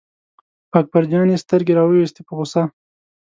په اکبر جان یې سترګې را وویستې په غوسه.